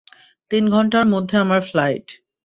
তিন ঘন্টার মধ্যে আমার ফ্লাইট।